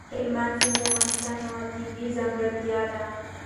هلمند سیند د افغانستان یوه طبیعي ځانګړتیا ده.